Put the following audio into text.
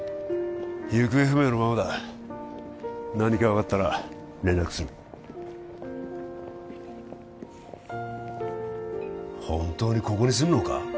行方不明のままだ何か分かったら連絡する本当にここに住むのか？